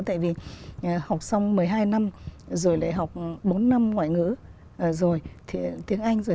tại vì học xong một mươi hai năm rồi lại học bốn năm ngoại ngữ rồi tiếng anh rồi